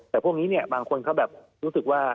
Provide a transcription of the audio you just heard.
แต่พวกนี้เนี่ยบางคนเขาแบบรู้สึกว่า